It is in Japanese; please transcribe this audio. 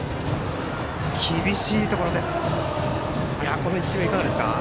この１球はいかがですか？